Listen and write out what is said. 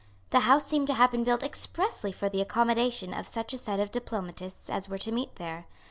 The house seemed to have been built expressly for the accommodation of such a set of diplomatists as were to meet there.